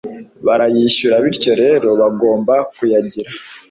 Barayishyura bityo rero bagomba kuyagira